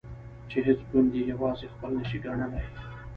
چې هیڅ ګوند یې یوازې خپل نشي ګڼلای.